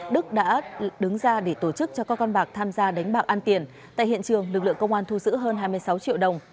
đức đã đứng ra để tổ chức cho các con bạc tham gia đánh bạc an tiền tại hiện trường lực lượng công an thu giữ hơn hai mươi sáu triệu đồng